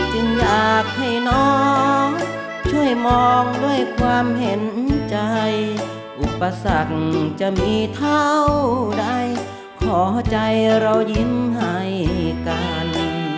จึงอยากให้น้องช่วยมองด้วยความเห็นใจอุปสรรคจะมีเท่าใดขอใจเรายิ้มให้กัน